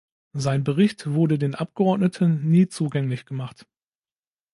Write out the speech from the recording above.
Sein Bericht wurde den Abgeordneten nie zugänglich gemacht.